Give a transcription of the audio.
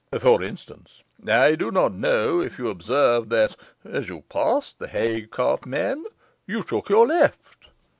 For instance, I do not know if you observed that (as you passed the hay cart man) you took your left?